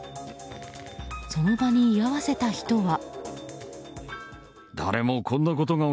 その場に居合わせた人は。